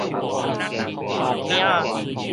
鱟鉼仔